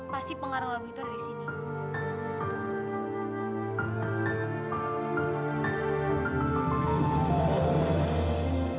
pasti pengaruh lagu itu ada di sini